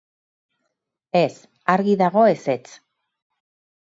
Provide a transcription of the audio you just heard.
Ez, argi dago ezetz.